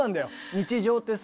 日常ってさ。